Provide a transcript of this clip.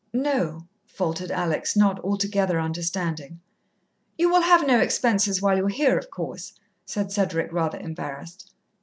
"No," faltered Alex, not altogether understanding. "You will have no expenses while you're here, of course," said Cedric, rather embarrassed.